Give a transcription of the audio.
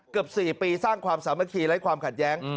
เกือบ๔ปีสร้างความสามัคคีไร้ความขัดแย้ง